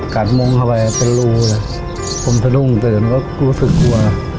มุ้งเข้าไปเป็นรูเลยผมสะดุ้งตื่นก็รู้สึกกลัว